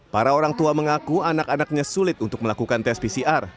para orang tua mengaku anak anaknya sulit untuk melakukan tes pcr